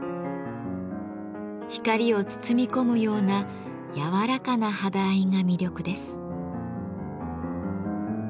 光を包み込むような柔らかな肌合いが魅力です。